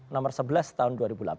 nomor sebelas tahun dua ribu delapan